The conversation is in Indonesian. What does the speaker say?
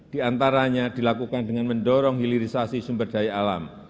diantaranya dilakukan dengan mendorong hilirisasi sumber daya alam